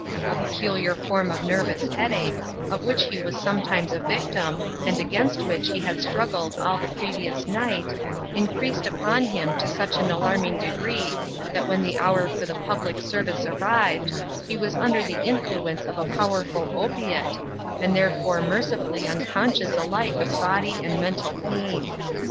A peculiar form of nervous headache, of which he was sometimes a victim, and against which he had struggled all the previous night, in creased upon him to such an alarming degree that when the hour for the public service arrived, he was under the influence of a powerful opiate, and therefore mercifully unconscious alike of bodily and mental pain.